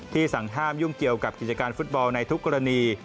สั่งห้ามยุ่งเกี่ยวกับกิจการฟุตบอลในทุกกรณี